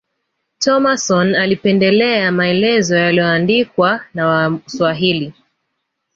Thomason alipendelea maelezo yaliyoandikwa na waswahili